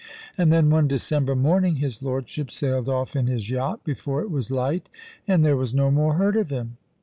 And then one December morning his lordship sailed off in his yacht before it was light, and there was no more heard of him.